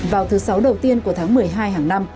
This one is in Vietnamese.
vào thứ sáu đầu tiên của tháng một mươi hai hàng năm